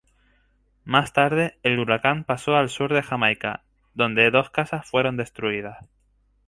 Más tarde, el huracán pasó al sur de Jamaica, donde dos casas fueron destruidas.